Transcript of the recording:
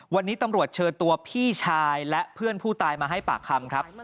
วันนี้ตำรวจเชิญตัวพี่ชายและเพื่อนผู้ตายมาให้ปากคำครับ